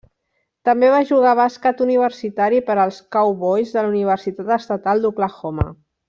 També va jugar bàsquet universitari per als Cowboys de la Universitat Estatal d'Oklahoma.